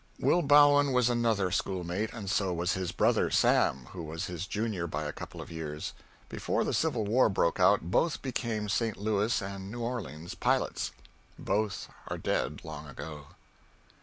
_ Will Bowen was another schoolmate, and so was his brother, Sam, who was his junior by a couple of years. Before the Civil War broke out, both became St. Louis and New Orleans pilots. Both are dead, long ago.